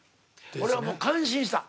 俺はもう感心した。